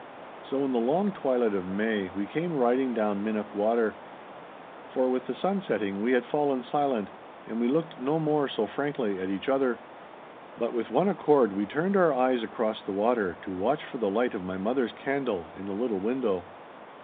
So, in the long twilight of May, we came riding down Minnoch Water. For, with the sun setting, we had fallen silent, and we looked no more so frankly at each other. But with one accord we turned our eyes across the water to watch for the light of my mother's candle in the little window.